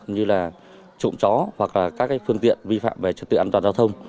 như trụm chó hoặc các phương tiện vi phạm về trật tự an toàn giao thông